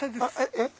えっ？